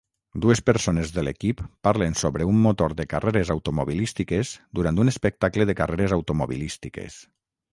dues persones de l'equip parlen sobre un motor de carreres automobilístiques durant un espectacle de carreres automobilístiques.